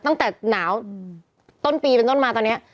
ตั้งแต่หนาวต้นปีเป็นต้นมาตอนนี้